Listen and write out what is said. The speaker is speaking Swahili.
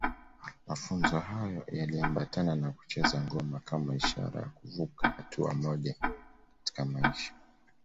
Mafunzo hayo yaliambatana na kucheza ngoma kama ishara ya kuvuka hatua moja katika maisha